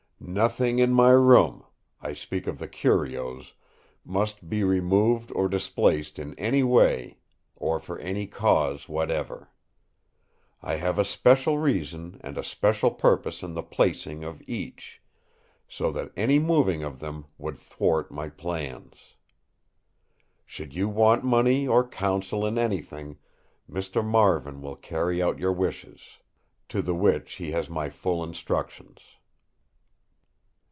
"Nothing in my room—I speak of the curios—must be removed or displaced in any way, or for any cause whatever. I have a special reason and a special purpose in the placing of each; so that any moving of them would thwart my plans. "Should you want money or counsel in anything, Mr. Marvin will carry out your wishes; to the which he has my full instructions."